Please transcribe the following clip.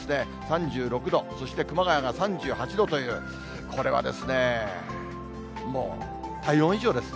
３６度、そして熊谷が３８度という、これはですね、もう体温以上です。